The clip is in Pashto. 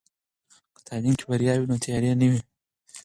که تعلیم کې بریا وي، نو تیارې نه وي.